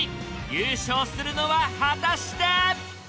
優勝するのは果たして！